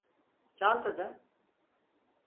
Çantada.